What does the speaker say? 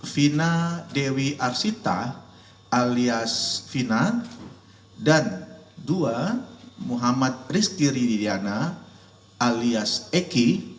vina dewi arsita alias vina dan dua muhammad rizky ridiyana alias eki